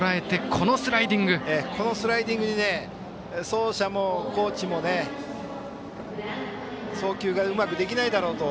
あのスライディングに走者もコーチも送球がうまくできないだろうと。